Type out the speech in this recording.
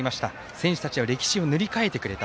選手たちは歴史を塗り替えてくれた。